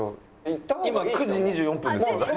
今９時２４分ですから。